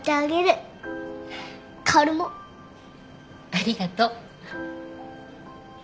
ありがとう。